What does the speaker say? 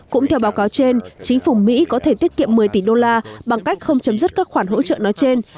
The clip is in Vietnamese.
cũng theo báo cáo trên chính phủ mỹ có thể tiết kiệm một mươi tỷ đô la bằng cách không chấm dứt các khoản hỗ trợ nói trên